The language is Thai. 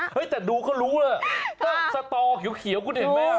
แต่ดูเขารู้เลยสตอเขียวคุณเห็นไหม